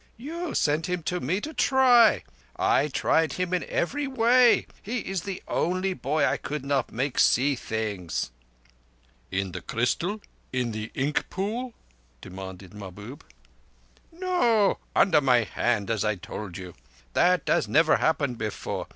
You sent him to me to try. I tried him in every way: he is the only boy I could not make to see things." "In the crystal—in the ink pool?" demanded Mahbub. "No. Under my hand, as I told you. That has never happened before.